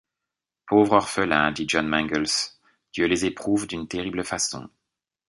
Pauvres orphelins! dit John Mangles, Dieu les éprouve d’une terrible façon !